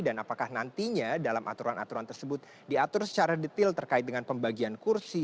dan apakah nantinya dalam aturan aturan tersebut diatur secara detail terkait dengan pembagian kursi